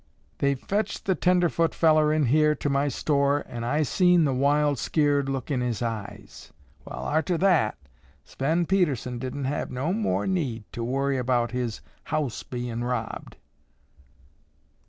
They fetched the tenderfoot fellar in here to my store an' I seen the wild, skeered look in his eyes. Wall, arter that, Sven Pedersen didn't have no more need to worry about his house bein' robbed."